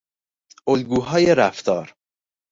الگوهای رفتار